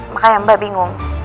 makanya mbak bingung